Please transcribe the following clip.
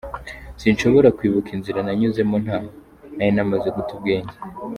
Sinshobora kwibuka inzira nanyuzemo ntaha, nari namaze guta ubwenge.